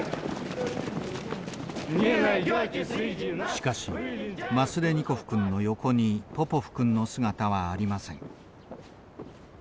しかしマスレニコフ君の横にポポフ君の姿はありません。